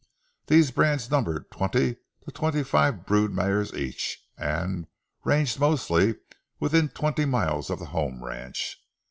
These bands numbered twenty to twenty five brood mares each, and ranged mostly within twenty miles of the home ranch.